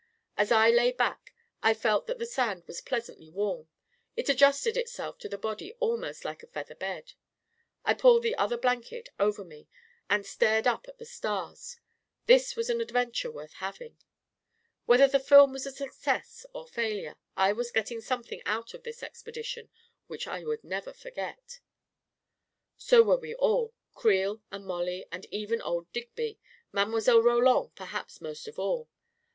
As I lay back, I felt that the sand was pleasantly warm ; it adjusted itself to the body almost like a feather bed. I pulled the other blanket over me, and stared up at the stars. This was an adventure worth hav ing! Whether the film was a success or failure, I was getting something out of this expedition which I would never forget. So were we all — Creel and Mollie and even old Digby — Mile.